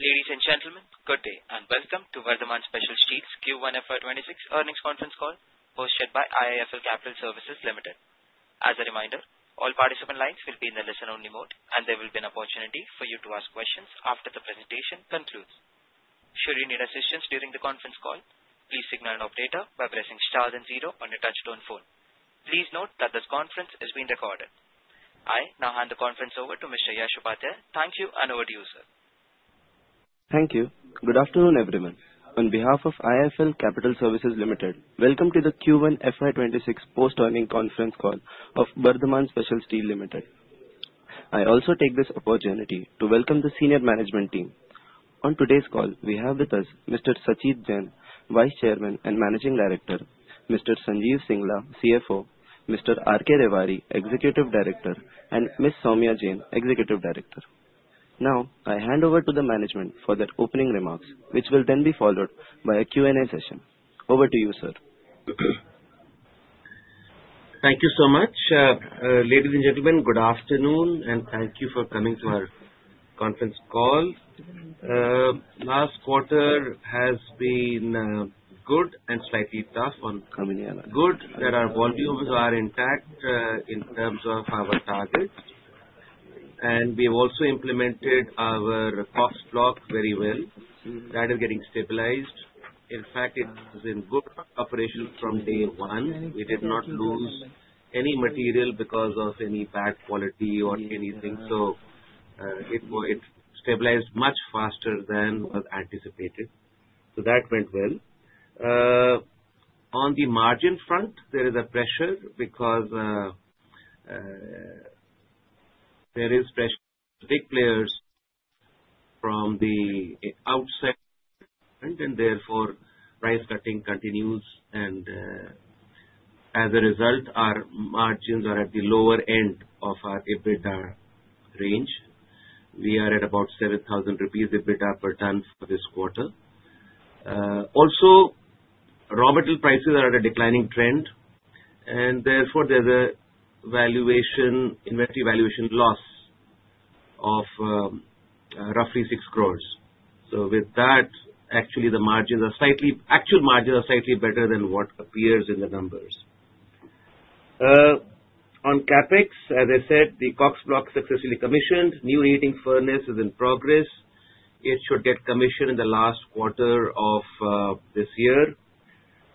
Ladies and gentlemen, good day and welcome to Vardhman Special Steels Limited Q1 FY26 Earnings Conference Call hosted by IIFL Capital Services Limited. As a reminder, all participant lines will be in the listen-only mode, and there will be an opportunity for you to ask questions after the presentation concludes. Should you need assistance during the conference call, please signal an operator by pressing star then on your touch-tone phone. Please note that this conference is being recorded. I now hand the conference over to Mr. Yash Upadhyay. Thank you, and over to you, sir. Thank you. Good afternoon, everyone. On behalf of IIFL Capital Services Limited, welcome to the Q1 FY26 Post-Earnings Conference Call of Vardhman Special Steels Limited. I also take this opportunity to welcome the Senior Management Team. On today's call, we have with us Mr. Sachit Jain, Vice Chairman and Managing Director; Mr. Sanjeev Singla, CFO; Mr. R.K. Rewari, Executive Director; and Ms. Soumya Jain, Executive Director. Now, I hand over to the management for their opening remarks, which will then be followed by a Q&A session. Over to you, sir. Thank you so much. Ladies and gentlemen, good afternoon, and thank you for coming to our conference call. Last quarter has been good and slightly tough on. Coming in. Good that our volumes are intact in terms of our targets. We've also implemented our Kocks Block very well. That is getting stabilized. In fact, it was in good operation from day one. We did not lose any material because of any bad quality or anything. It's stabilized much faster than was anticipated. That went well. On the margin front, there is a pressure because there are fresh tech players from the outside, and therefore, price cutting continues. As a result, our margins are at the lower end of our EBITDA range. We are at about 7,000 rupees EBITDA per ton for this quarter. Also, raw material prices are at a declining trend, and therefore, there's an investment valuation loss of roughly 6 crore. With that, actually, the margins are slightly... actual margins are slightly better than what appears in the numbers. On CapEx, as I said, the Kocks Block is successfully commissioned. New heating furnace is in progress. It should get commissioned in the last quarter of this year.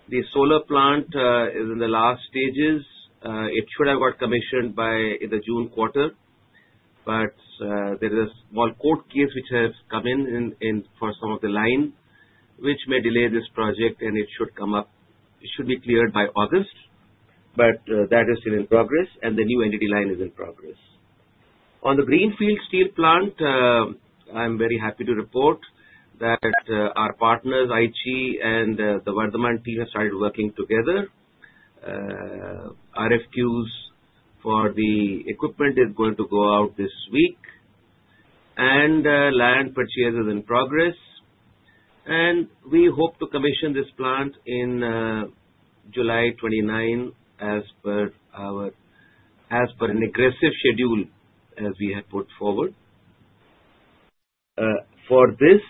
The solar plant is in the last stages. It should have got commissioned by the June quarter, but there is a small court case which has come in for some of the line, which may delay this project, and it should be cleared by August. That is still in progress, and the new NDT line is in progress. On the Greenfield steel plant, I'm very happy to report that our partners, Aichi and the Vardhman team, have started working together. RFQs for the equipment are going to go out this week, and land purchase is in progress. We hope to commission this plant in July 2029 as per an aggressive schedule as we had put forward. For this,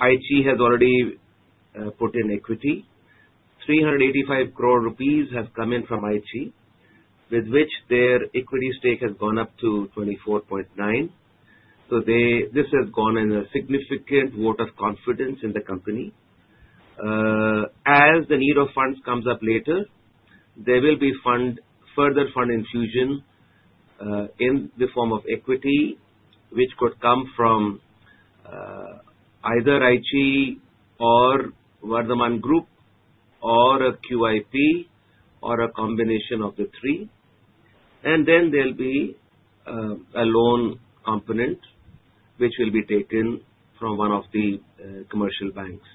Aichi has already put in equity. 385 crore rupees have come in from Aichi, with which their equity stake has gone up to 24.9%. This has gone in a significant vote of confidence in the company. As the need for funds comes up later, there will be further fund infusion in the form of equity, which could come from either Aichi or Vardhman Group, or a QIP, or a combination of the three. There will be a loan component, which will be taken from one of the commercial banks.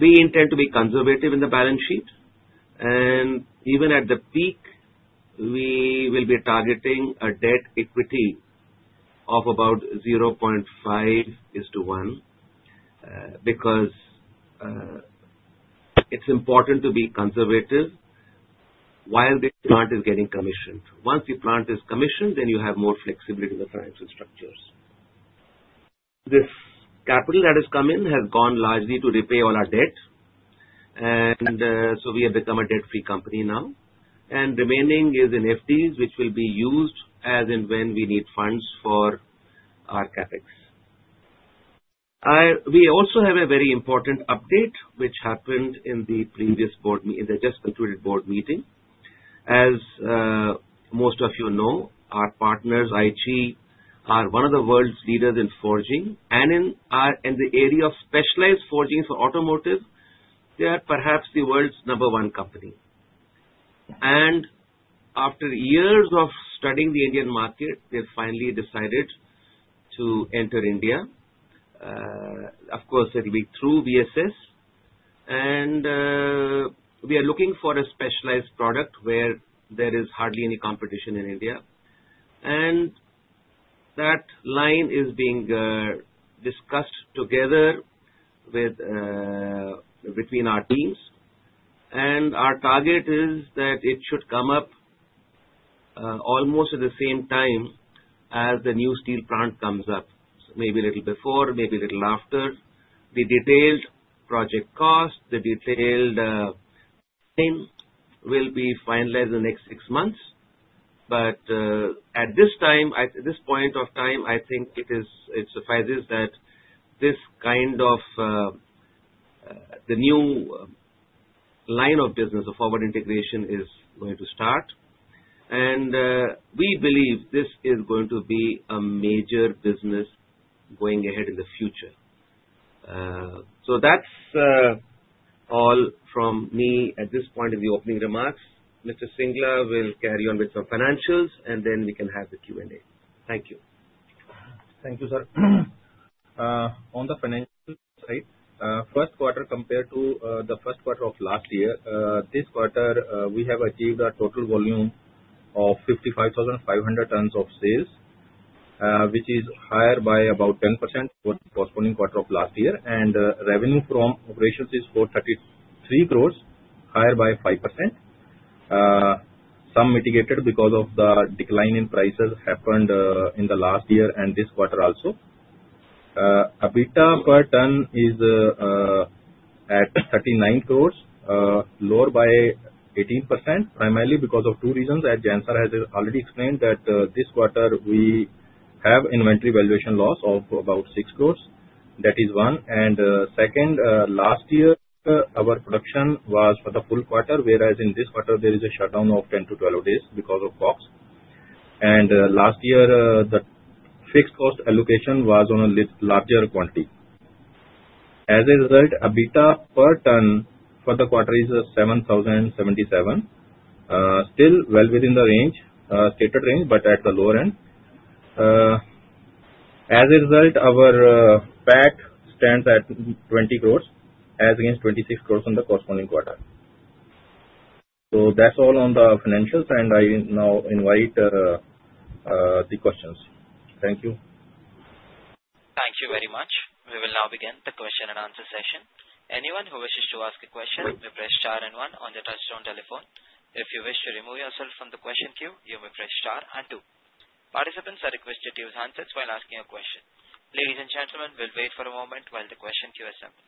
We intend to be conservative in the balance sheet, and even at the peak, we will be targeting a Debt-to-Equity ratio of about 0.5:1 because it's important to be conservative while the plant is getting commissioned. Once the plant is commissioned, then you have more flexibility in the financial structures. This capital that has come in has gone largely to repay all our debt, and we have become a debt-free company now. The remaining is in FDs, which will be used as and when we need funds for our CapEx. We also have a very important update, which happened in the previous board meeting, in the just concluded board meeting. As most of you know, our partners, Aichi, are one of the world's leaders in forging, and in the area of specialized forging for automotive, they are perhaps the world's number one company. After years of studying the Indian market, they finally decided to enter India, of course, through VSS. We are looking for a specialized product where there is hardly any competition in India. That line is being discussed together between our teams. Our target is that it should come up almost at the same time as the new steel plant comes up, maybe a little before, maybe a little after. The detailed project cost and the detailed plan will be finalized in the next six months. At this point of time, I think it suffices that this kind of new line of business of forward integration is going to start. We believe this is going to be a major business going ahead in the future. That's all from me at this point in the opening remarks. Mr. Singla will carry on with some financials, and then we can have the Q&A. Thank you. Thank you, sir. On the financial side, first quarter compared to the first quarter of last year, this quarter, we have achieved a total volume of 55,500 tons of sales, which is higher by about 10% for the corresponding quarter of last year. Revenue from operations is 433 crore, higher by 5%. Some mitigated because of the decline in prices happened in the last year and this quarter also. EBITDA per ton is at 39 crore, lower by 18%, primarily because of two reasons. As Jain sir has already explained, this quarter we have inventory valuation loss of about 6 crore. That is one. Second, last year, our production was for the full quarter, whereas in this quarter, there is a shutdown of 10-12 days because of Kocks Block. Last year, the fixed cost allocation was on a larger quantity. As a result, EBITDA per ton for the quarter is 7,077, still well within the stated range, but at the lower end. As a result, our PAT stands at 20 crore, as against 26 crore in the corresponding quarter. That's all on the financials, and I now invite the questions. Thank you. Thank you very much. We will now begin the question and answer session. Anyone who wishes to ask a question will press star one on the touch-tone telephone. If you wish to remove yourself from the question queue, you may press star two. Participants are requested to use handsets while asking a question. Ladies and gentlemen, we'll wait for a moment while the question queue assembles.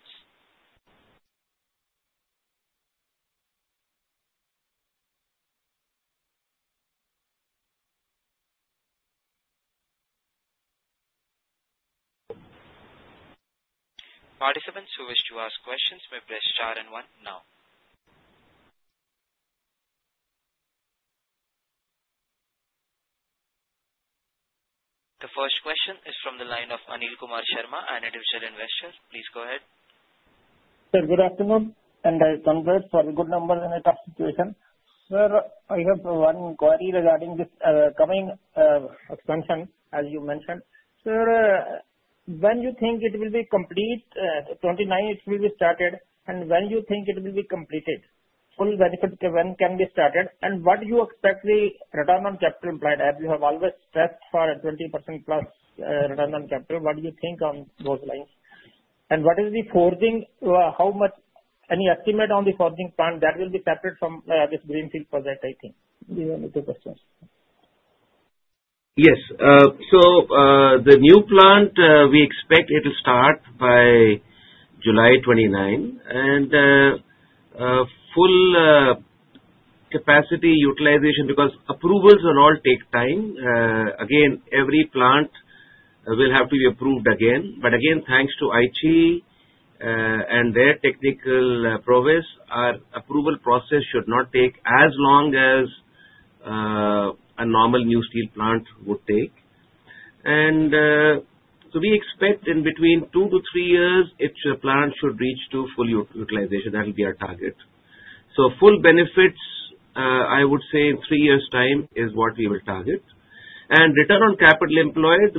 Participants who wish to ask questions may press star one now. The first question is from the line of Anil Kumar Sharma, an individual investor. Please go ahead. Sir, good afternoon, and I congrats for a good number in a tough situation. Sir, I have one query regarding this coming expansion, as you mentioned. Sir, when do you think it will be complete? 2029, it will be started. When do you think it will be completed? Full benefits when can be started? What do you expect the return on capital employed? You have always stressed for a 20%+ return on capital. What do you think on those lines? What is the forging? How much? Any estimate on the forging plant that will be separate from this Greenfield steel plant project, I think? Do you want me to discuss? Yes. The new plant, we expect it to start by July 2029 and full capacity utilization because approvals will all take time. Every plant will have to be approved again. Thanks to Aichi and their technical prowess, our approval process should not take as long as a normal new steel plant would take. We expect in between two to three years, the plant should reach full utilization. That will be our target. Full benefits, I would say in three years' time is what we will target. Return on capital employed,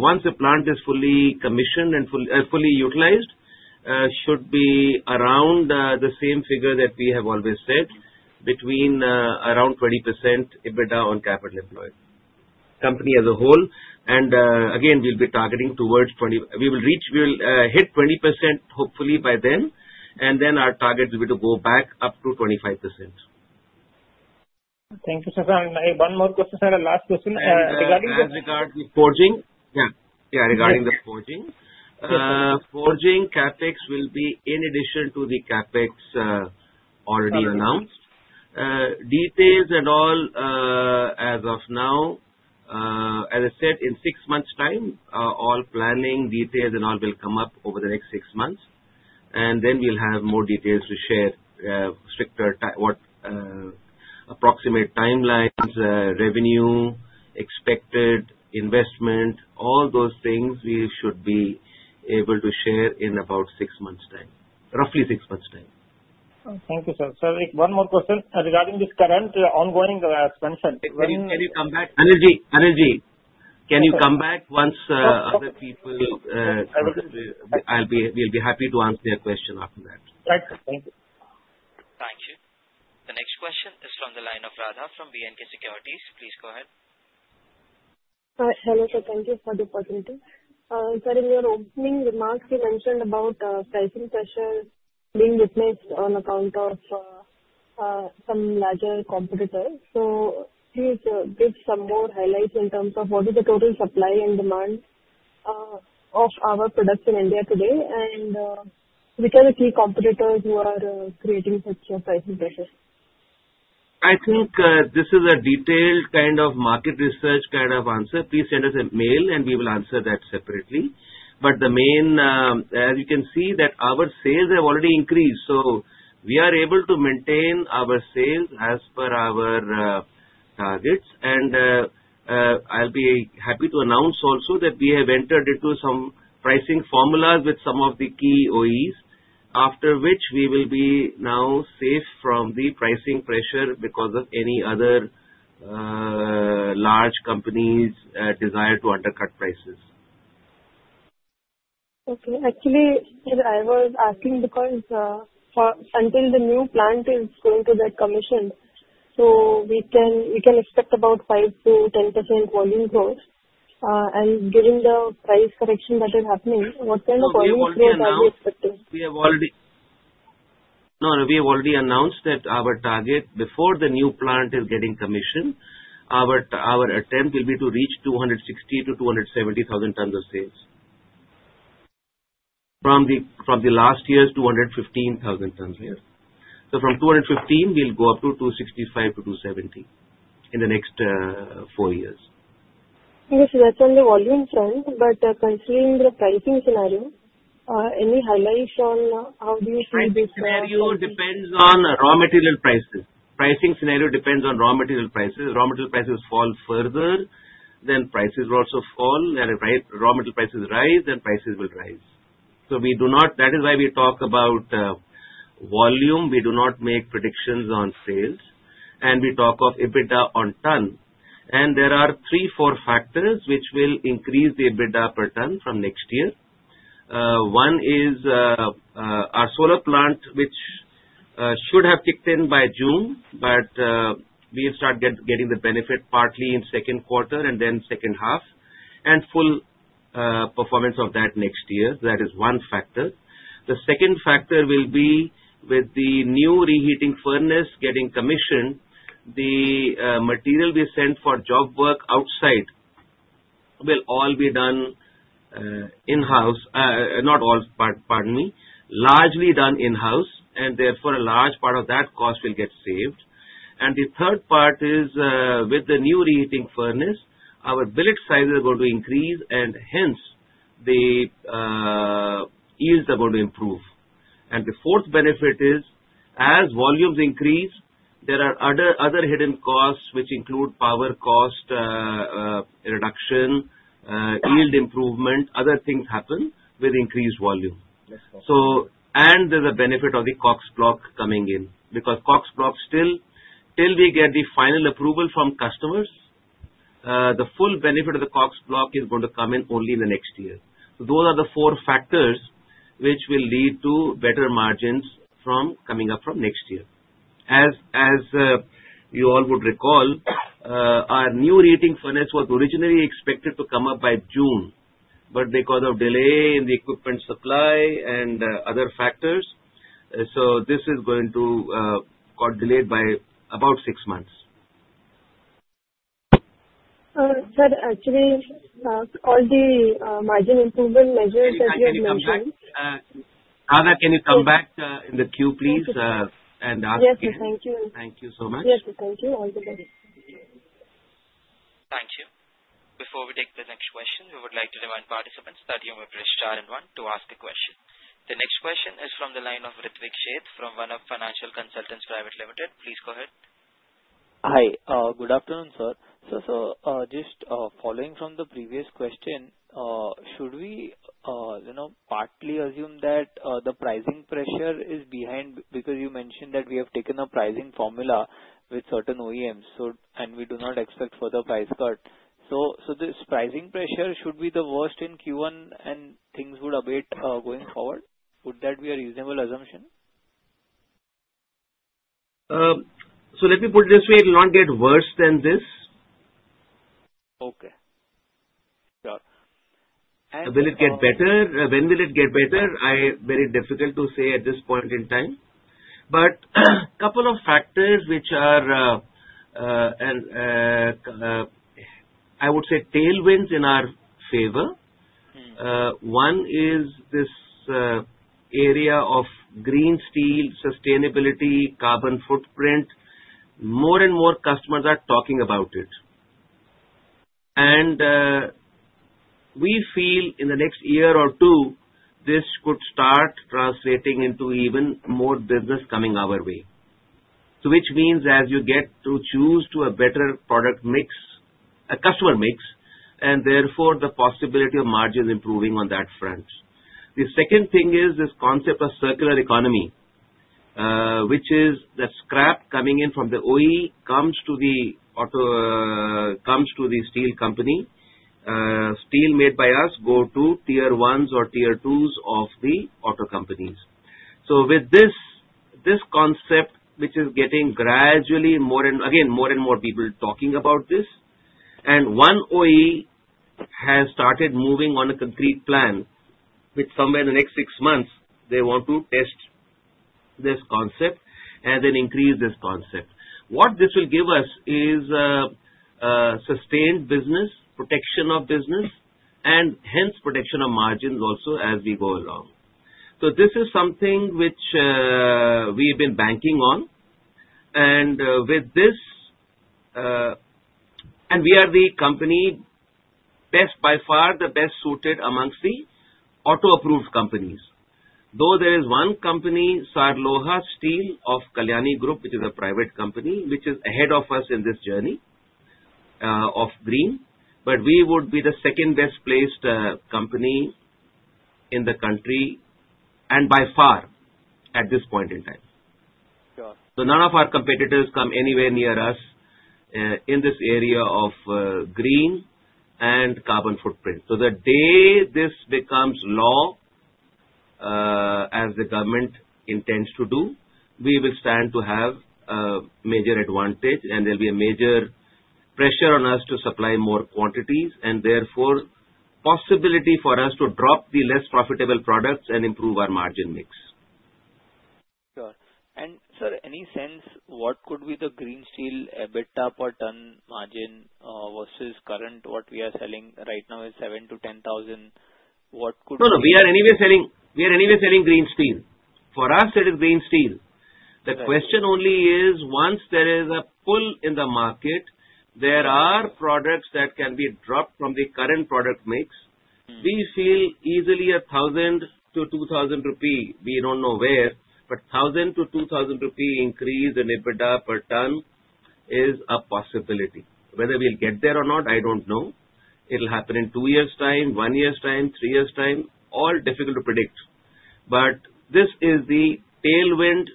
once the plant is fully commissioned and fully utilized, should be around the same figure that we have always said, around 20% EBITDA on capital employed, company as a whole. We will be targeting towards 20%. We will hit 20% hopefully by then, and then our target will be to go back up to 25%. Thank you, sir. I have one more question. Sorry, last question. As regards to forging? Yeah. Yeah, regarding the forging. Yes, sir. Forging CapEx will be in addition to the CapEx already announced. Details as of now, as I said, in six months' time, all planning details will come up over the next six months. We'll have more details to share, stricter approximate timelines, revenue, expected investment, all those things we should be able to share in about six months' time, roughly six months' time. Thank you, sir. Sir, one more question regarding this current ongoing expansion. When you come back, Anil G, can you come back once other people... I will. We'll be happy to answer your question after that. Thank you. The next question is from the line of Radha from B&K Securities. Please go ahead. Hi, hello, sir. Thank you for the opportunity. Sir, in your opening remarks, you mentioned about pricing pressure being litigated on account of some larger competitors. Please give some more highlights in terms of what is the total supply and demand of our products in India today, and which are the key competitors who are creating such a pricing pressure? I think this is a detailed kind of market research kind of answer. Please send us a mail, and we will answer that separately. The main point, as you can see, is that our sales have already increased. We are able to maintain our sales as per our targets. I'll be happy to announce also that we have entered into some pricing formulas with some of the key OEs, after which we will be now safe from the pricing pressure because of any other large companies' desire to undercut prices. Okay, I was asking because until the new plant is going to get commissioned, we can expect about 5%-10% volume growth. Given the price correction that is happening, what kind of volume growth are you expecting? We have already announced that our target before the new plant is getting commissioned, our attempt will be to reach 260,000-270,000 tons of sales. From last year's 215,000 tons, yes. From 215,000, we'll go up to 265,000-270,000 in the next four years. Sir, that's on the volume side, but considering the pricing scenario, any highlights on how these? Pricing scenario depends on raw material prices. Pricing scenario depends on raw material prices. If raw material prices fall further, then prices will also fall. If raw material prices rise, then prices will rise. That is why we talk about volume. We do not make predictions on sales. We talk of EBITDA per ton. There are three, four factors which will increase the EBITDA per ton from next year. One is our solar plant, which should have kicked in by June, but we've started getting the benefit partly in the second quarter and then second half, and full performance of that next year. That is one factor. The second factor will be with the new reheating furnace getting commissioned, the material we send for job work outside will all be done in-house. Not all, pardon me, largely done in-house, and therefore, a large part of that cost will get saved. The third part is with the new reheating furnace, our billet sizes are going to increase, and hence, the yields are going to improve. The fourth benefit is, as volumes increase, there are other hidden costs, which include power cost reduction, yield improvement, other things happen with increased volume. There is a benefit of the Kocks Block coming in because Kocks Block still, till we get the final approval from customers, the full benefit of the Kocks Block is going to come in only in the next year. Those are the four factors which will lead to better margins coming up from next year. As you all would recall, our new reheating furnace was originally expected to come up by June, but because of delay in the equipment supply and other factors, this is going to be delayed by about six months. or is there still some part of it which will come in the next quarter as well? Anil, can you come back in the queue, please, and ask? Yes, thank you. Thank you so much. Yes, thank you. Thank you. Before we take the next question, we would like to remind participants that you may press star one to ask a question. The next question is from the line of Ritvik Sheth from One Up Financial Consultants Pvt. Ltd. Please go ahead. Hi, good afternoon, sir. Just following from the previous question, should we partly assume that the pricing pressure is behind because you mentioned that we have taken a pricing formula with certain OEMs, and we do not expect further price cut? This pricing pressure should be the worst in Q1, and things would abate going forward. Would that be a reasonable assumption? Let me put it this way. It will not get worse than this. Okay. Sure. Will it get better? When will it get better? Very difficult to say at this point in time. A couple of factors which are, I would say, tailwinds in our favor. One is this area of Green steel, sustainability, carbon footprint. More and more customers are talking about it. We feel in the next year or two, this could start translating into even more business coming our way, which means as you get to choose a better product mix, a customer mix, and therefore, the possibility of margins improving on that front. The second thing is this concept of circular economy, which is that scrap coming in from the OE comes to the steel company. Steel made by us goes to tier ones or tier twos of the auto companies. With this concept, which is getting gradually more and again, more and more people talking about this, and one OE has started moving on a concrete plan, which somewhere in the next six months, they want to test this concept and then increase this concept. What this will give us is sustained business, protection of business, and hence protection of margins also as we go along. This is something which we've been banking on. With this, we are the company best by far, the best suited amongst the auto-approved companies. Though there is one company, Saarloha Steel of Kalyani Group, which is a private company, which is ahead of us in this journey of green, we would be the second best placed company in the country, and by far at this point in time. Sure. None of our competitors come anywhere near us in this area of green and carbon footprint. The day this becomes law, as the government intends to do, we will stand to have a major advantage, and there will be a major pressure on us to supply more quantities, and therefore, the possibility for us to drop the less profitable products and improve our margin mix. Sure. Sir, any sense what could be the Greenfield steel EBITDA per ton margin versus current, what we are selling right now is 7,000 to 10,000? What could? No, no. We are anyway selling Green steel. For us, that is Green steel. The question only is once there is a pull in the market, there are products that can be dropped from the current product mix. We feel easily 1,000-2,000 rupee. We don't know where, but 1,000-2,000 rupee increase in EBITDA per ton is a possibility. Whether we'll get there or not, I don't know. It will happen in two years' time, one year's time, three years' time, all difficult to predict. This is the tailwind.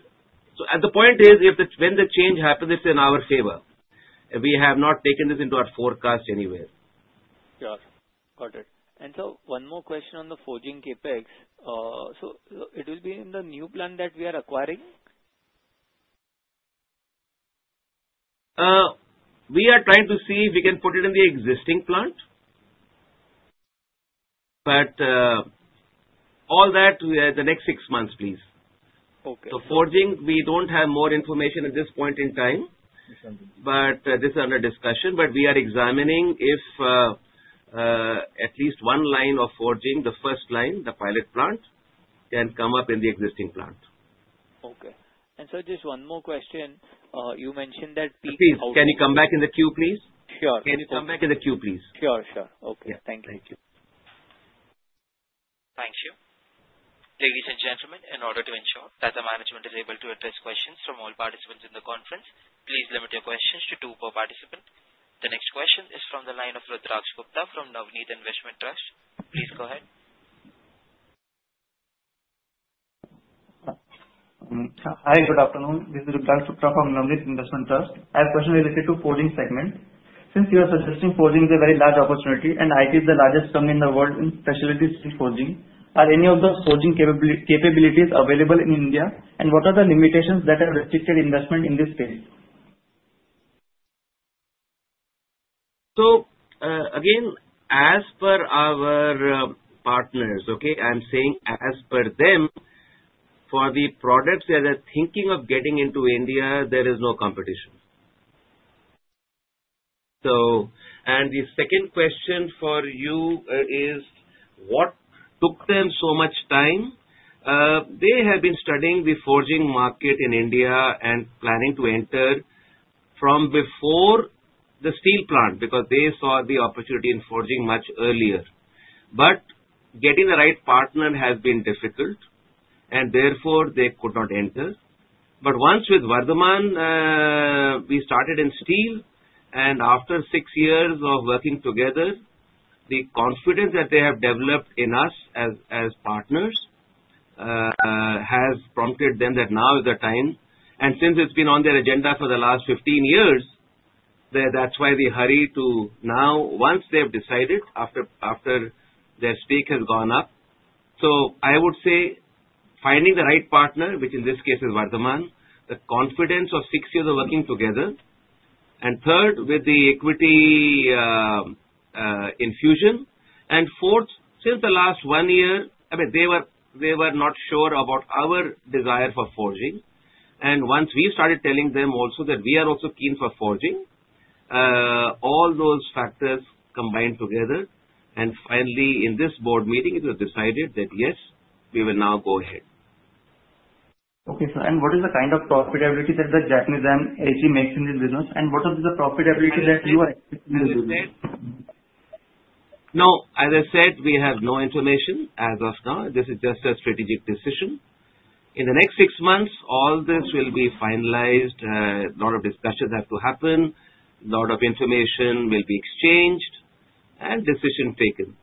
The point is if the change happens, it's in our favor. We have not taken this into our forecast anywhere. Got it. Sir, one more question on the forging CapEx. It will be in the new plant that we are acquiring? We are trying to see if we can put it in the existing plant, but all that in the next six months, please. Okay. Forging, we don't have more information at this point in time, but this is under discussion. We are examining if at least one line of forging, the first line, the pilot plant, can come up in the existing plant. Okay. Sir, just one more question. You mentioned that. Please, can you come back in the queue? Sure. Can you come back in the queue, please? Sure, sure. Okay. Thank you. Thank you. Ladies and gentlemen, in order to ensure that the management is able to address questions from all participants in the conference, please limit your questions to two per participant. The next question is from the line of Ridhraksh Gupta from Navneet Investment Trust. Please go ahead. Hi, good afternoon. This is Ridhraksh Gupta from Navneet Investment Trust. I have a question related to forging segment. Since you are suggesting forging is a very large opportunity, and Aichi is the largest firm in the world in specialty steel forging, are any of the forging capabilities available in India, and what are the limitations that are restricted investment in this space? As per our partners, for the products that are thinking of getting into India, there is no competition. The second question for you is what took them so much time? They have been studying the forging market in India and planning to enter from before the steel plant because they saw the opportunity in forging much earlier. Getting the right partner has been difficult, and therefore, they could not enter. Once with Vardhman, we started in steel, and after six years of working together, the confidence that they have developed in us as partners has prompted them that now is the time. Since it's been on their agenda for the last 15 years, that's why they hurry to now once they've decided after their stake has gone up. I would say finding the right partner, which in this case is Vardhman, the confidence of six years of working together, with the equity infusion, and since the last one year, they were not sure about our desire for forging. Once we started telling them also that we are also keen for forging, all those factors combined together, and finally, in this board meeting, it was decided that yes, we will now go ahead. Okay, sir. What is the kind of profitability that the Japanese and Aichi make in this business, and what are the profitability that you are expecting? No, as I said, we have no information as of now. This is just a strategic decision. In the next six months, all this will be finalized. A lot of discussions have to happen, a lot of information will be exchanged and decisions taken.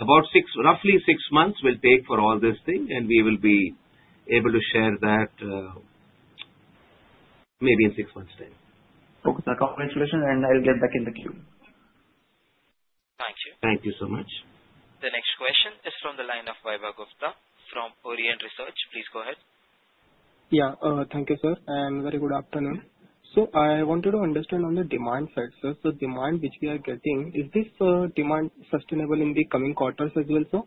About roughly six months will take for all this thing, and we will be able to share that maybe in six months' time. Okay, that's all my explanation. I'll get back in the queue. Thank you. Thank you so much. The next question is from the line of Vaibhav Gupta from Orient Research. Please go ahead. Thank you, sir, and very good afternoon. I wanted to understand on the demand side, sir. The demand which we are getting, is this demand sustainable in the coming quarters as well, sir?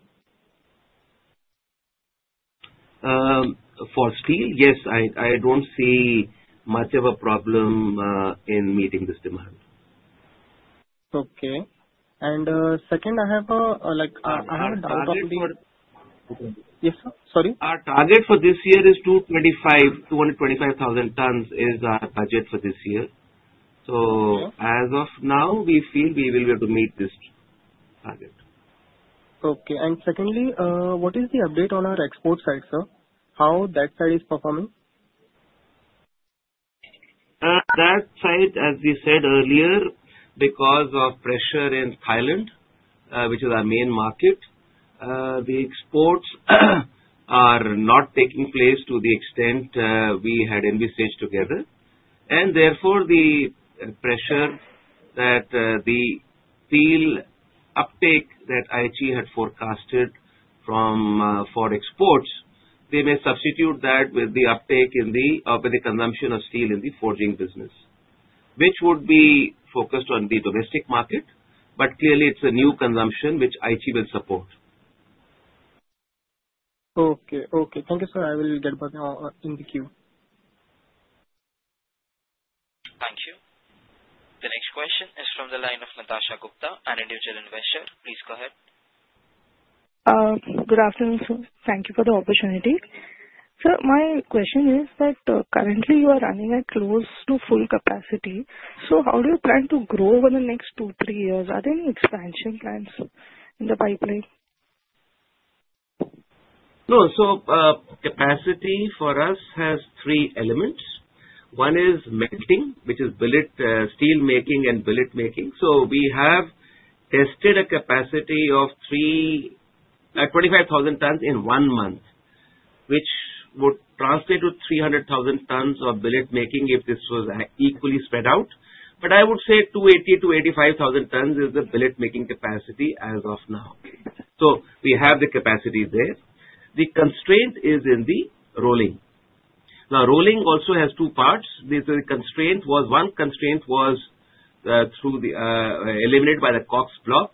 For steel, yes, I don't see much of a problem in meeting this demand. Okay. Second, I have a doubt. Yes, sir. Sorry? Our target for this year is 225,000 tons. It is our budget for this year. As of now, we feel we will be able to meet this target. Okay. Secondly, what is the update on our export side, sir? How is that side performing? That side, as we said earlier, because of pressure in Thailand, which is our main market, the exports are not taking place to the extent we had envisaged together. Therefore, the pressure that the steel uptake that Aichi had forecasted for exports, they may substitute that with the uptake in the consumption of steel in the forging business, which would be focused on the domestic market. Clearly, it's a new consumption which Aichi will support. Okay. Thank you, sir. I will get both of you in the queue. Thank you. The next question is from the line of Natasha Gupta, an individual investor. Please go ahead. Good afternoon, sir. Thank you for the opportunity. Sir, my question is that currently, you are running at close to full capacity. How do you plan to grow over the next two to three years? Are there any expansion plans in the pipeline? No. So, capacity for us has three elements. One is melting, which is billet steel making and billet making. We have tested a capacity of 25,000 tons in one month, which would translate to 300,000 tons of billet making if this was equally spread out. I would say 280,000 to 285,000 tons is the billet making capacity as of now. We have the capacity there. The constraint is in the rolling. Now, rolling also has two parts. The constraint was one constraint was eliminated by the Kocks Block.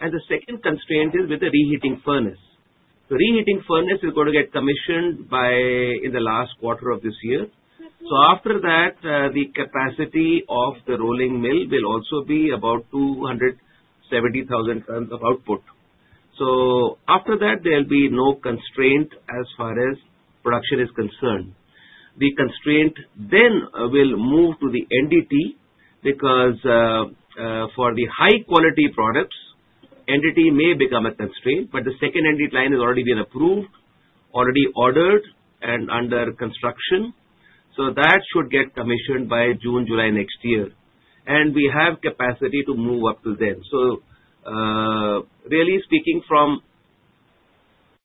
The second constraint is with the reheating furnace. The reheating furnace is going to get commissioned in the last quarter of this year. After that, the capacity of the rolling mill will also be about 270,000 tons of output. After that, there'll be no constraint as far as production is concerned. The constraint then will move to the NDT because for the high-quality products, NDT may become a constraint, but the second NDT line has already been approved, already ordered, and under construction. That should get commissioned by June, July next year. We have capacity to move up to then. Really speaking from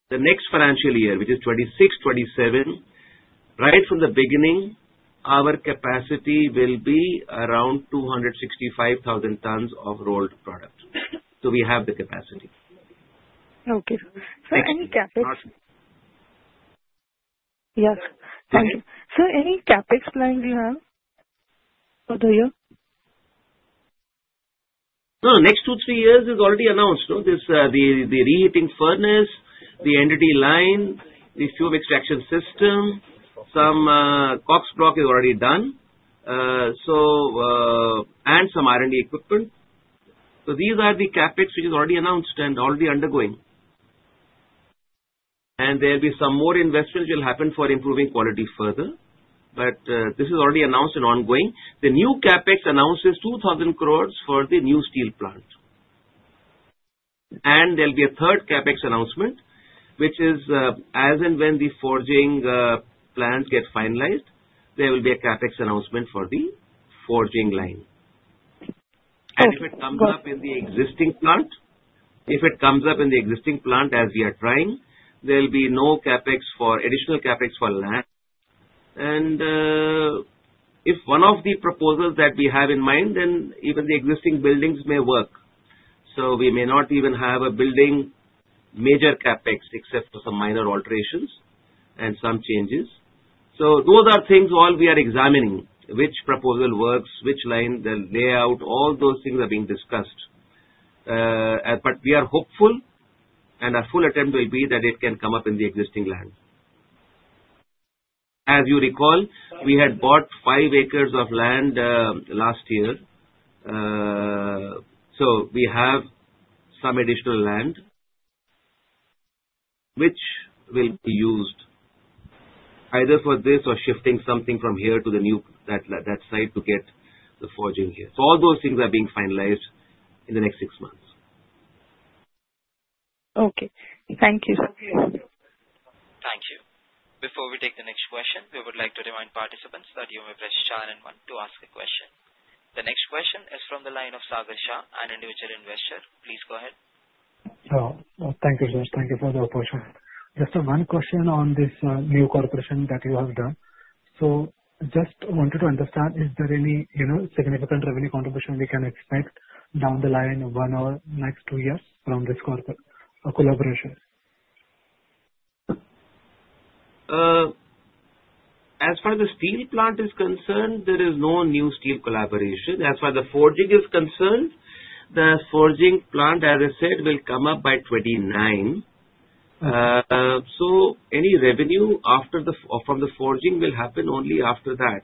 the next financial year, which is 2026, 2027, right from the beginning, our capacity will be around 265,000 tons of rolled product. We have the capacity. Okay, sir. Sir, can you cap it? Yes. Thank you. Sir, any CapEx plans you have for the year? No, the next two to three years is already announced. No, this is the reheating furnace, the NDT line, the fuel extraction system, some Kocks Block is already done, and some R&D equipment. These are the CapEx which is already announced and already undergoing. There'll be some more investments that will happen for improving quality further. This is already announced and ongoing. The new CapEx announced is 2,000 crore for the new steel plant. There'll be a third CapEx announcement, which is as and when the forging plant gets finalized, there will be a CapEx announcement for the forging line. If it comes up in the existing plant, if it comes up in the existing plant as we are trying, there'll be no additional CapEx for that. If one of the proposals that we have in mind, then even the existing buildings may work. We may not even have a building major CapEx except for some minor alterations and some changes. Those are things all we are examining: which proposal works, which line, the layout, all those things are being discussed. We are hopeful, and our full attempt will be that it can come up in the existing land. As you recall, we had bought five acres of land last year. We have some additional land which will be used either for this or shifting something from here to the new site to get the forging here. All those things are being finalized in the next six months. Okay, thank you. Thank you. Before we take the next question, we would like to remind participants that you may press star one to ask a question. The next question is from the line of Sarvesh Shah, an individual investor. Please go ahead. Thank you, sir. Thank you for the opportunity. Just one question on this new corporation that you have done. I just wanted to understand, is there any significant revenue contribution we can expect down the line over the next two years from this corporation or collaboration? As far as the steel plant is concerned, there is no new steel collaboration. As far as the forging is concerned, the forging plant, as I said, will come up by 2029. Any revenue from the forging will happen only after that.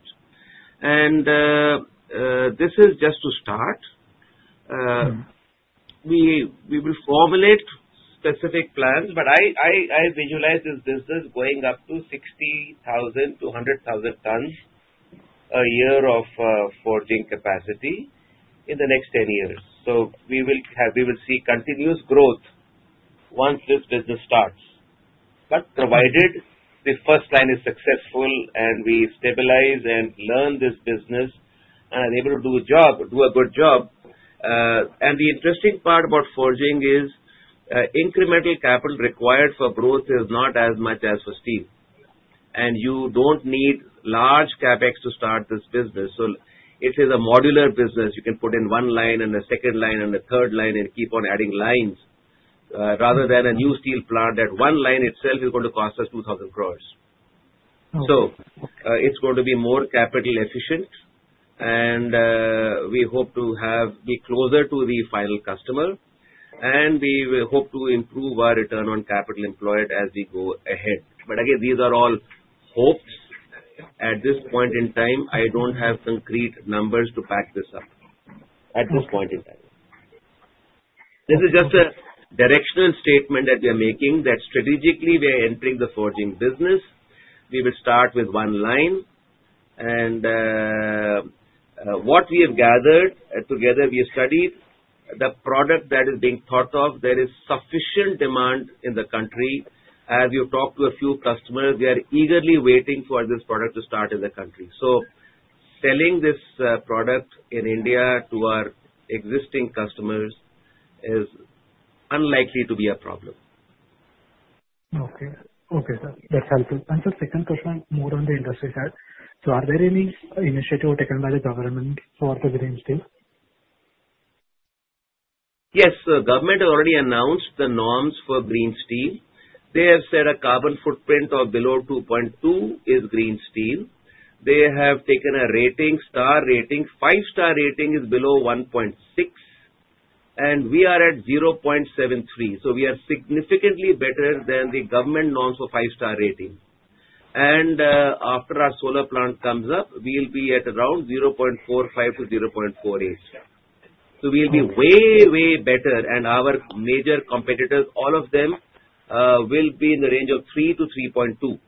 This is just to start. We will formulate specific plans, but I visualize this business going up to 60,000-100,000 tons a year of forging capacity in the next 10 years. We will see continuous growth once this business starts, provided the first line is successful and we stabilize and learn this business and are able to do a good job. The interesting part about forging is incremental capital required for growth is not as much as for steel. You do not need large CapEx to start this business. If it is a modular business, you can put in one line, a second line, and a third line, and keep on adding lines rather than a new steel plant where one line itself is going to cost us 2,000 crore. It is going to be more capital efficient, and we hope to be closer to the final customer. We will hope to improve our return on capital employed as we go ahead. These are all hopes. At this point in time, I do not have concrete numbers to back this up at this point in time. This is just a directional statement that we are making that strategically we are entering the forging business. We will start with one line. What we have gathered together, we have studied the product that is being thought of. There is sufficient demand in the country. As you talk to a few customers, they are eagerly waiting for this product to start in the country. Selling this product in India to our existing customers is unlikely to be a problem. Okay. Okay, sir. That's helpful. Sir, second question, more on the industry side. Are there any initiatives taken by the government for the Green steel? Yes, the government has already announced the norms for Green steel. They have said a carbon footprint of below 2.2 is Green steel. They have taken a rating: star rating. Five-star rating is below 1.6, and we are at 0.73. We are significantly better than the government norms for five-star rating. After our solar plant comes up, we'll be at around 0.45-0.48. We'll be way, way better. Our major competitors, all of them, will be in the range of 3-3.2.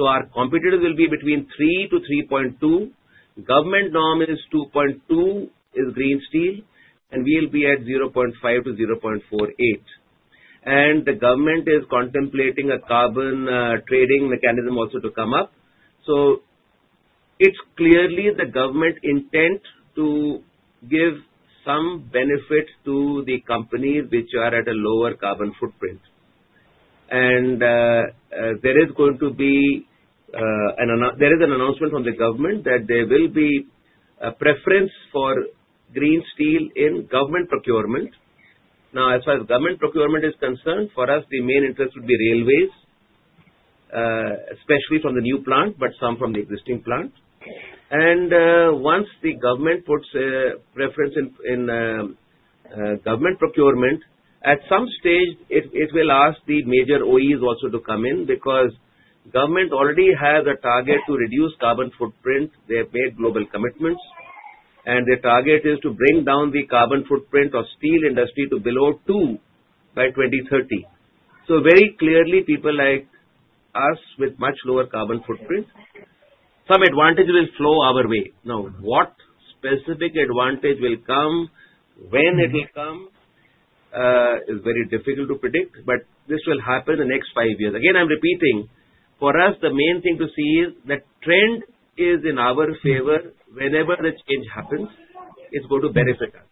Our competitors will be between 3-3.2. Government norm is 2.2 is Green steel, and we'll be at 0.5-0.48. The government is contemplating a carbon trading mechanism also to come up. It's clearly the government's intent to give some benefit to the companies which are at a lower carbon footprint. There is going to be an announcement from the government that there will be a preference for Green steel in government procurement. As far as government procurement is concerned, for us, the main interest would be railways, especially from the new plant, but some from the existing plant. Once the government puts a preference in government procurement, at some stage, it will ask the major OEs also to come in because the government already has a target to reduce carbon footprint. They have made global commitments, and their target is to bring down the carbon footprint of steel industry to below 2 by 2030. Very clearly, people like us with much lower carbon footprints, some advantages will flow our way. What specific advantage will come, when it will come, is very difficult to predict, but this will happen in the next five years. Again, I'm repeating, for us, the main thing to see is the trend is in our favor. Whenever the change happens, it's going to benefit us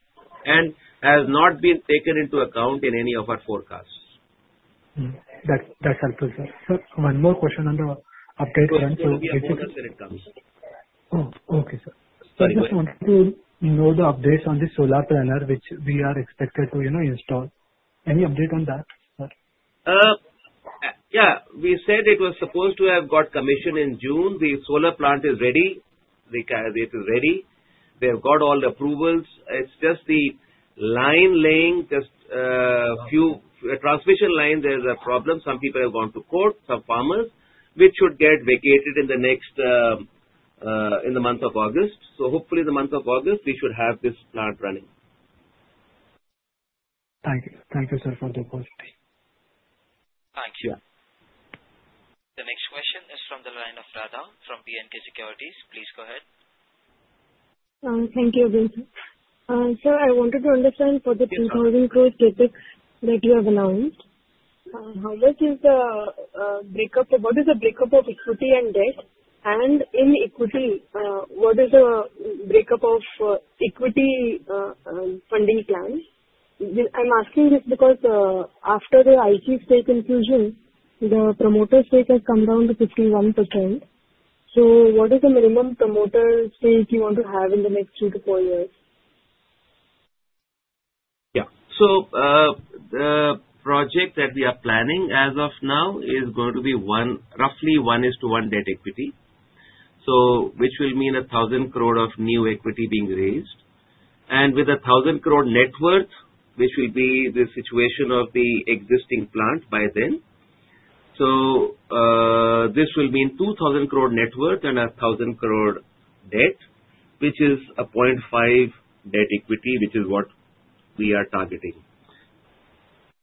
and has not been taken into account in any of our forecasts. That's helpful, sir. Sir, one more question under update one. Yes, that's when it comes. Oh, okay, sir. Sorry. Just wanted to know the updates on the solar plant which we are expected to install. Any update on that? Yeah. We said it was supposed to have got commissioned in June. The solar plant is ready. It is ready. They have got all the approvals. It's just the line laying, just a few transmission lines. There's a problem. Some people have gone to court, some farmers, which should get vacated in the next month of August. Hopefully, in the month of August, we should have this plant running. Thank you. Thank you, sir, for the opportunity. Thank you. The next question is from the line of Radha from B&K Securities. Please go ahead. Thank you, Ajay. Sir, I wanted to understand for the incoming project CapEx that you have announced, how does it break up? What is the breakup of equity and debt? In equity, what is the breakup of equity funding plans? I'm asking this because after the Aichi stake infusion, the promoter stake has come down to 51%. What is the minimum promoter stake you want to have in the next two to four years? Yeah. The project that we are planning as of now is going to be roughly 1:1 Debt-to-Equity, which will mean 1,000 crore of new equity being raised. With 1,000 crore net worth, which will be the situation of the existing plant by then, this will mean 2,000 crore net worth and 1,000 crore debt, which is a 0.5 Debt-to-Equity, which is what we are targeting.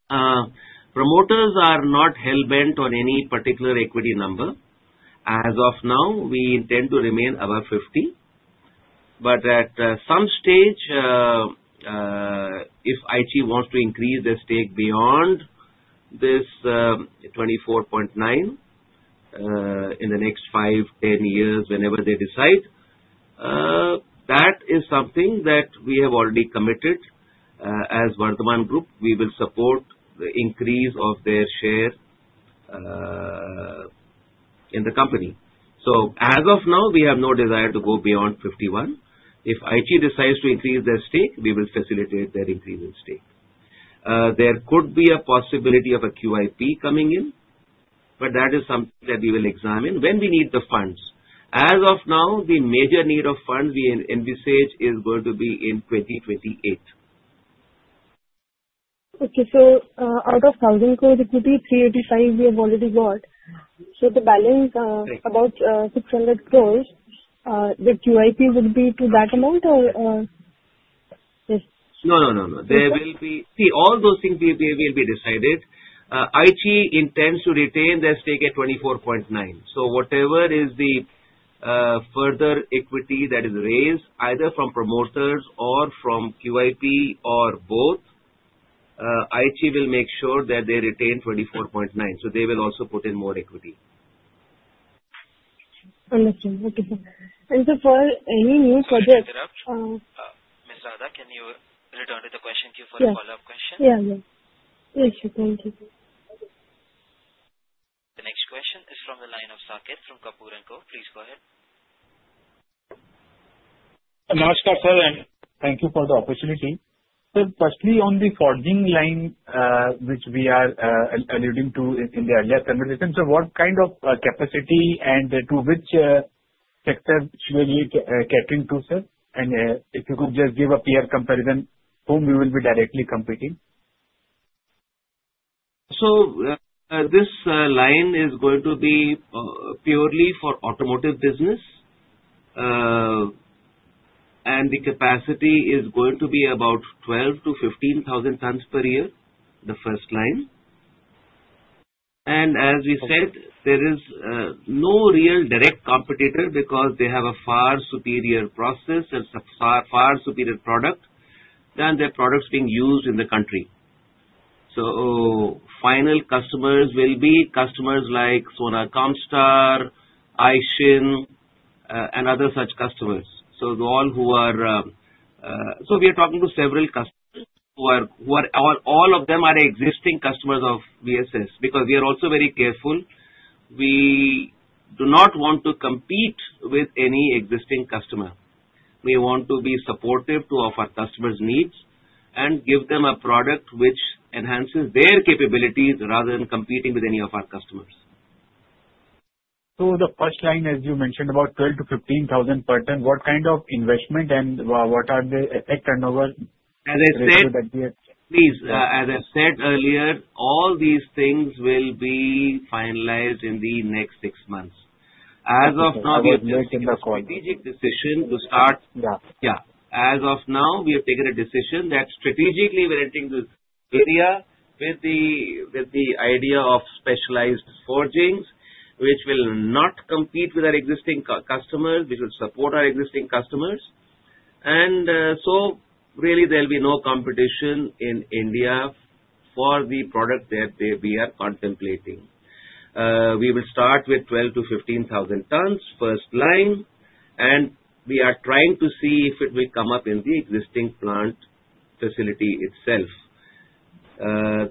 Promoters are not hell-bent on any particular equity number. As of now, we intend to remain above 50%. At some stage, if Aichi wants to increase their stake beyond this 24.9% in the next 5 or 10 years, whenever they decide, that is something that we have already committed. As Vardhman Group, we will support the increase of their share in the company. As of now, we have no desire to go beyond 51%. If Aichi decides to increase their stake, we will facilitate their increase in stake. There could be a possibility of a QIP coming in, but that is something that we will examine when we need the funds. As of now, the major need of funds we envisage is going to be in 2028. Okay. Out of 1,000 crore equity, 385 crore we have already got. The balance, about 600 crore, the QIP will be to that amount, or? There will be, see, all those things will be decided. Aichi intends to retain their stake at 24.9%. Whatever is the further equity that is raised, either from promoters or from QIP or both, Aichi will make sure that they retain 24.9%. They will also put in more equity. Understood. Okay, sir. For any new project. Ms. Radha, can you return to the question queue for the follow-up question? Yeah, yeah. Please do. Thank you. The next question is from the line of Saket from Kapoor & Co. Please go ahead. No, sir, and thank you for the opportunity. Sir, firstly, on the forging line, which we are alluding to in the earlier conversation, sir, what kind of capacity and to which sector will you be capping to, sir? If you could just give a PR comparison on whom we will be directly competing? This line is going to be purely for automotive business, and the capacity is going to be about 12,000-15,000 tons per year, the first line. As we said, there is no real direct competitor because they have a far superior process and a far superior product than the products being used in the country. Final customers will be customers like Sona Comstar, Aisin, and other such customers. We are talking to several customers who are all existing customers of VSS because we are also very careful. We do not want to compete with any existing customer. We want to be supportive to our customers' needs and give them a product which enhances their capabilities rather than competing with any of our customers. The first line, as you mentioned, about 12,000-15,000 per ton, what kind of investment and what are the effects on our? As I said earlier, all these things will be finalized in the next six months. As of now, we have taken a strategic decision to start. Yeah. Yeah. As of now, we have taken a decision that strategically we're entering this area with the idea of specialized forgings, which will not compete with our existing customers, which will support our existing customers. There will be no competition in India for the product that we are contemplating. We will start with 12,000-15,000 tons, first line, and we are trying to see if it will come up in the existing plant facility itself.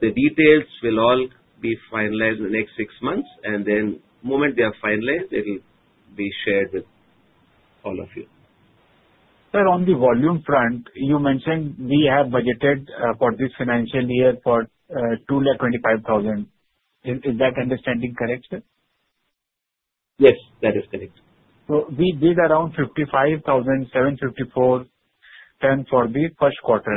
The details will all be finalized in the next six months, and the moment they are finalized, it'll be shared with all of you. Sir, on the volume front, you mentioned we have budgeted for this financial year for 225,000. Is that understanding correct? Yes, that is correct. We did around 55,754 tons for the first quarter.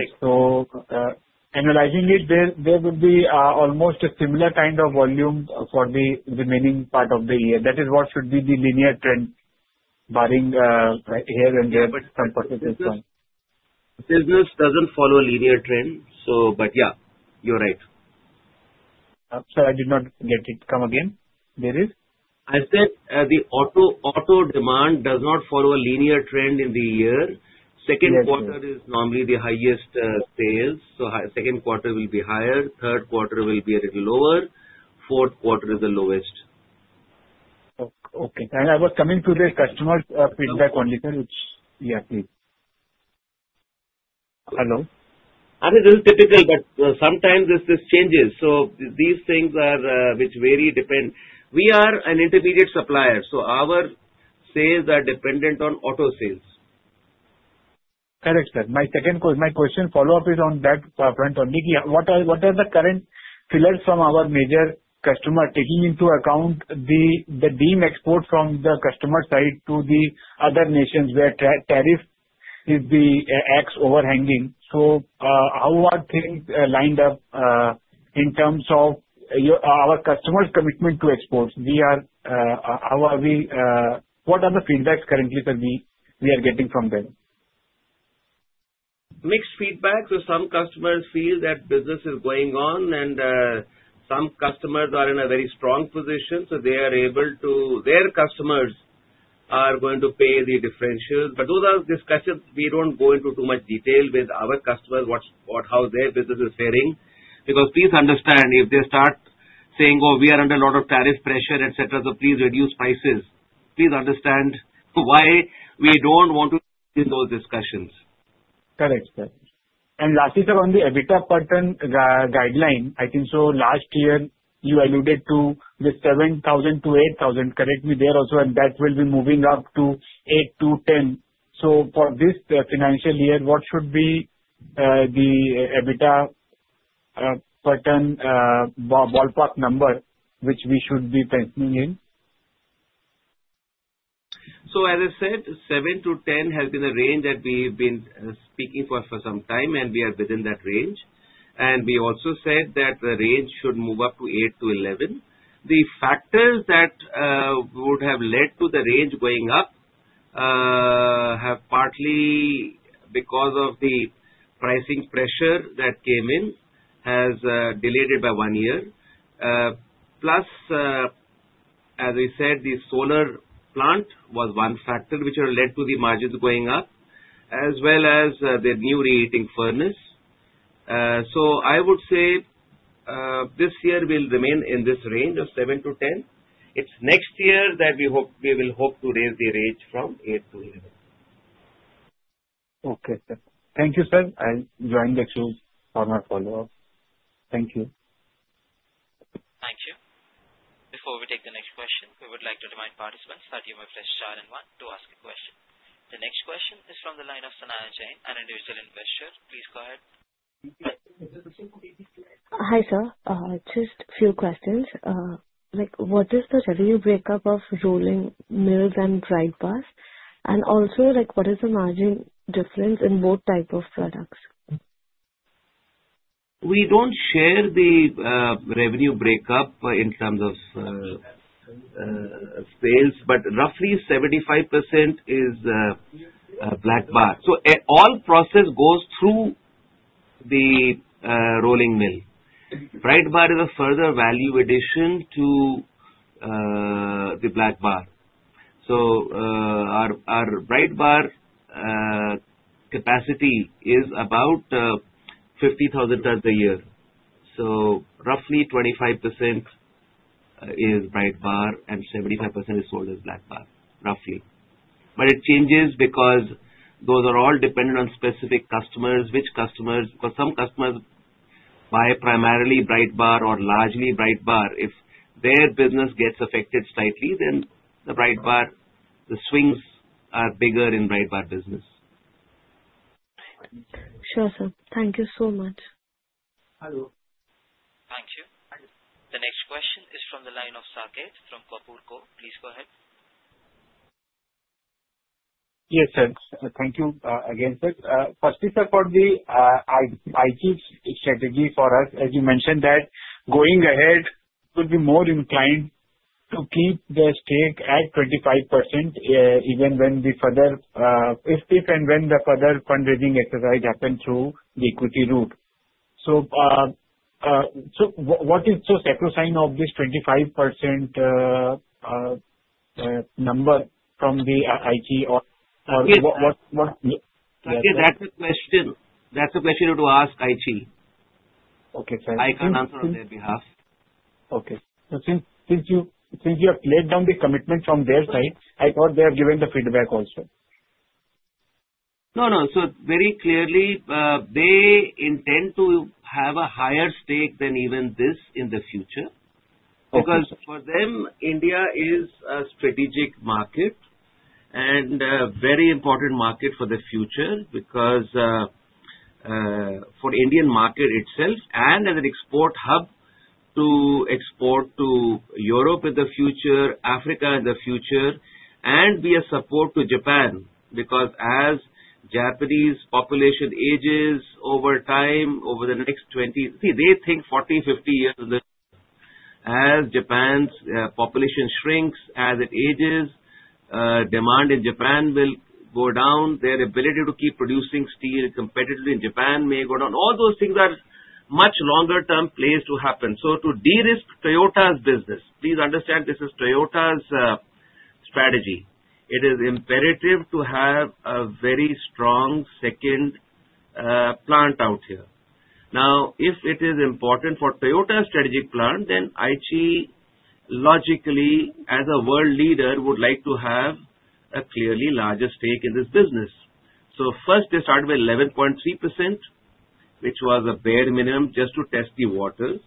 Analyzing it, there will be almost a similar kind of volume for the remaining part of the year. That is what should be the linear trend, barring here and there, but some percentage one. Business doesn't follow a linear trend, so yeah, you're right. Sir, I did not get it. Come again. There is. I said the auto demand does not follow a linear trend in the year. Second quarter is normally the highest sales. Second quarter will be higher. Third quarter will be a little lower. Fourth quarter is the lowest. Okay, I was coming to the customer feedback on details, which, yeah, please. Hello. This is typical, but sometimes this changes. These things vary, depend. We are an intermediate supplier, so our sales are dependent on auto sales. Correct, sir. My second question, my question follow-up is on that front only. What are the current fillers from our major customers taking into account the deem export from the customer side to the other nations where tariff is the axe overhanging? How are things lined up in terms of our customers' commitment to exports? What are the feedbacks currently that we are getting from them? Mixed feedback. Some customers feel that business is going on, and some customers are in a very strong position. They are able to, their customers are going to pay the differentials. Those are discussions. We don't go into too much detail with our customers, how their business is faring because please understand, if they start saying, "Oh, we are under a lot of tariff pressure, etc.," please reduce prices. Please understand why we don't want to get in those discussions. Correct, sir. Lastly, sir, on the EBITDA per ton guideline, I think last year you alluded to the 7,000-8,000, correct me there also, and that will be moving up to 8,000-10,000. For this financial year, what should be the EBITDA per ton ballpark number which we should be putting in? As I said, 7,000-10,000 has been a range that we've been speaking for for some time, and we are within that range. We also said that the range should move up to 8,000-11,000. The factors that would have led to the range going up have, partly because of the pricing pressure that came in, delayed it by one year. Plus, as I said, the solar plant was one factor which had led to the margins going up, as well as the new reheating furnace. I would say this year will remain in this range of 7,000-10,000. It's next year that we hope we will hope to raise the range from 8,000-11,000. Okay, sir. Thank you, sir. I'm joining the queue for my follow-up. Thank you. Thank you. Before we take the next question, we would like to remind participants that you may press *1 to ask a question. The next question is from the line of Sanaya Jain, an individual investor. Please go ahead. Hi, sir. Just a few questions. What is the revenue breakup of rolling mills and dry bus? Also, what is the margin difference in both types of products? We don't share the revenue breakup in terms of sales, but roughly 75% is black bar. All process goes through the rolling mill. Bright bar is a further value addition to the black bar. Our bright bar capacity is about 50,000 tons a year. Roughly 25% is bright bar and 75% is sold as black bar, roughly. It changes because those are all dependent on specific customers, which customers, because some customers buy primarily bright bar or largely bright bar. If their business gets affected slightly, the swings are bigger in bright bar business. Sure, sir. Thank you so much. Thank you. The next question is from the line of Saket from Kapoor & Co. Please go ahead. Yes, sir. Thank you again, sir. Firstly, sir, for the Aichi strategy for us, as you mentioned that going ahead, would be more inclined to keep their stake at 25% even when the further, if and when the further fundraising exercise happens through the equity route. What is the sacrosanct of this 25% number from the Aichi? That's a question to ask Aichi. Okay, sir. I can answer on their behalf. Since you have laid down the commitment from their side, I thought they have given the feedback also. No, no. Very clearly, they intend to have a higher stake than even this in the future because for them, India is a strategic market and a very important market for the future because for the Indian market itself and as an export hub to export to Europe in the future, Africa in the future, and be a support to Japan because as Japanese population ages over time, over the next 20, they think 40, 50 years in the future. As Japan's population shrinks, as it ages, demand in Japan will go down. Their ability to keep producing steel competitively in Japan may go down. All those things are much longer-term plays to happen. To de-risk Toyota's business, please understand this is Toyota's strategy. It is imperative to have a very strong second plant out here. If it is important for Toyota's strategic plan, then Aichi logically, as a world leader, would like to have a clearly larger stake in this business. First, they started with 11.3%, which was a bare minimum just to test the waters.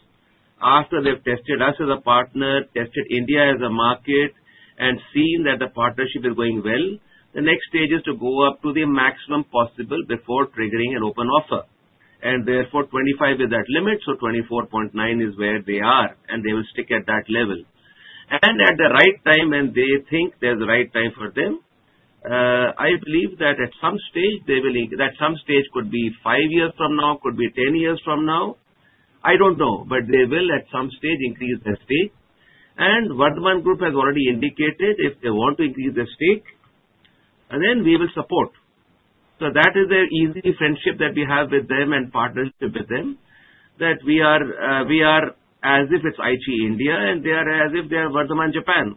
After they've tested us as a partner, tested India as a market, and seen that the partnership is going well, the next stage is to go up to the maximum possible before triggering an open offer. Therefore, 25% is that limit. 24.9% is where they are, and they will stick at that level. At the right time, and they think there's a right time for them, I believe that at some stage, they will, at some stage, could be five years from now, could be 10 years from now. I don't know, but they will at some stage increase their stake. Vardhman Group has already indicated if they want to increase their stake, then we will support. That is their easy friendship that we have with them and partnership with them that we are as if it's Aichi, India, and they are as if they are Vardhman, Japan.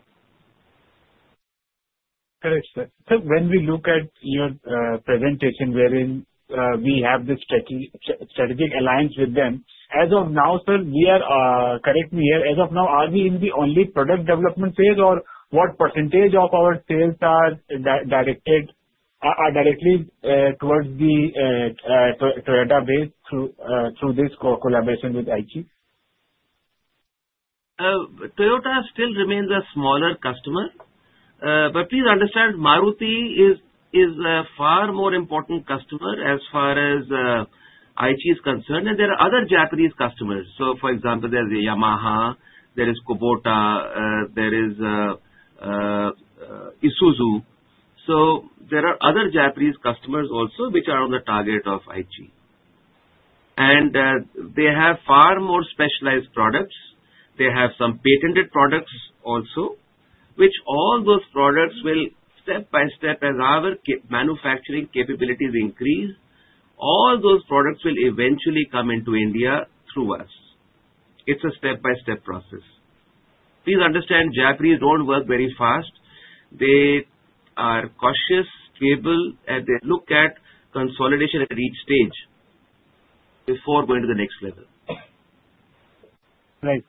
Correct, sir. Sir, when we look at your presentation wherein we have this strategic alliance with them, as of now, sir, correct me here, as of now, are we in the only product development phase, or what % of our sales are directed towards the Toyota base through this collaboration with Aichi? Toyota still remains a smaller customer. Please understand, Maruti is a far more important customer as far as Aichi is concerned. There are other Japanese customers, for example, Yamaha, Kubota, and Isuzu. There are other Japanese customers also which are on the target of Aichi. They have far more specialized products. They have some patented products also, which all those products will step by step as our manufacturing capabilities increase. All those products will eventually come into India through us. It's a step-by-step process. Please understand, Japanese don't work very fast. They are cautious, stable, and they look at consolidation at each stage before going to the next level. Right.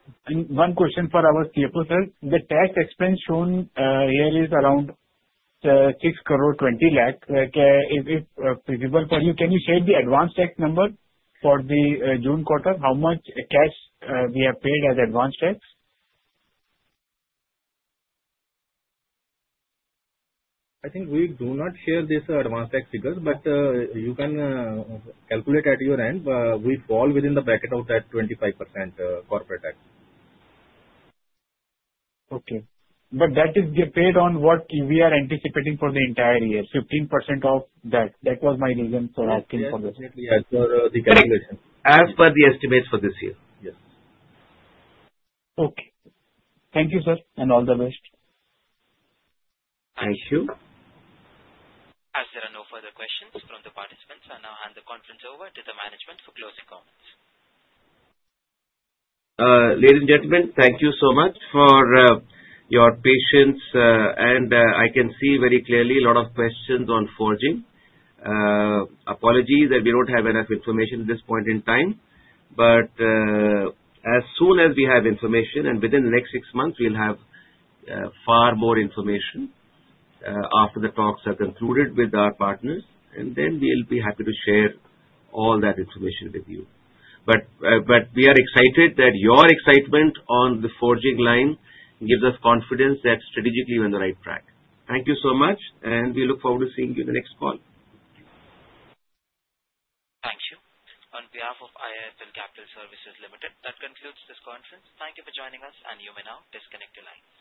One question for our CFO, sir. The tax expense shown here is around 6 crore 20 lakh. If it's feasible for you, can you share the advance tax number for the June quarter? How much cash have we paid as advance tax? I think we do not share these advance tax figures, but you can calculate at your end. We fall within the bracket of that 25% corporate tax. Okay. That is paid on what we are anticipating for the entire year, 15% of that. That was my reason for asking for this. That's correct. Yes, your recalculation. As per the estimates for this year. Yes. Okay. Thank you, sir, and all the best. Thank you. As there are no further questions from the participants, I now hand the conference over to the management for closing comments. Ladies and gentlemen, thank you so much for your patience. I can see very clearly a lot of questions on forging. Apologies that we don't have enough information at this point in time. As soon as we have information, within the next six months, we'll have far more information after the talks are concluded with our partners. We'll be happy to share all that information with you. We are excited that your excitement on the forging line gives us confidence that strategically, we're on the right track. Thank you so much, and we look forward to seeing you in the next call. Thank you. On behalf of IIFL Capital Services Limited, that concludes this conference. Thank you for joining us, and you may now disconnect the line.